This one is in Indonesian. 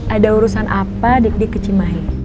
ada urusan apa dikdik ke cimahi